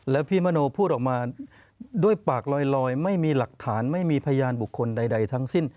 แล้วพี่มโนพูดออกมาด้วยปากลอยไม่มีหลักฐานไม่มีพยานบุคคลใดทั้งสิ้น